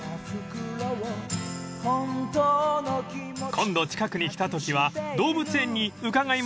［今度近くに来たときは動物園に伺いますね］